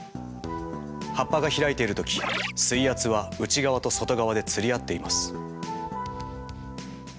葉っぱが開いている時水圧は内側と外側で釣り合っています。